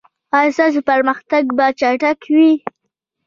ایا ستاسو پرمختګ به چټک وي؟